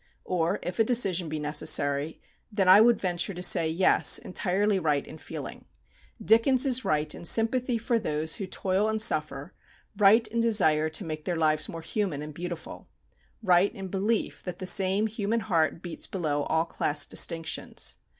or, if a decision be necessary, then I would venture to say, yes, entirely right in feeling. Dickens is right in sympathy for those who toil and suffer, right in desire to make their lives more human and beautiful, right in belief that the same human heart beats below all class distinctions.